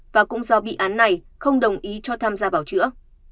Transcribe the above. và cũng do bị án này không đồng ý cho tham gia bảo chữa